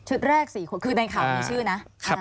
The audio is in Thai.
แรก๔คนคือในข่าวมีชื่อนะ